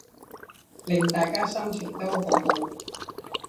令大家心情都好好